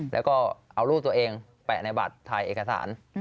แล้วก็เอารูปตัวเองแปะในบัตรถ่ายเอกสาร